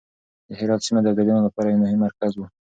د هرات سيمه د ابدالیانو لپاره يو مهم مرکز و.